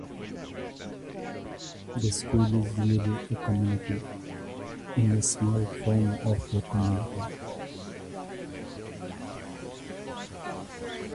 He also competed at the Men’s Home Internationals.